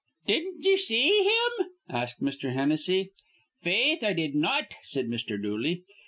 "Didn't ye see him?" asked Mr. Hennessy. "Faith, I did not!" said Mr. Dooley.